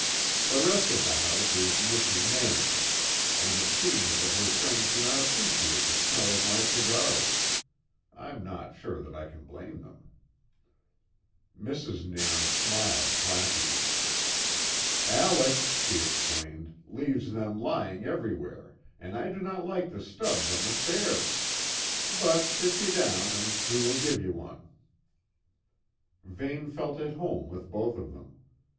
The rest of the house is Mrs. Nairn's, and it seems that her friends do not appreciate the smell of my cigars. I'm not sure that I can blame them." Mrs. Nairn smiled placidly. "Alec," she explained, "leaves them lying everywhere, and I do not like the stubs on the stairs. But sit ye down and he will give ye one." Vane felt at home with both of them.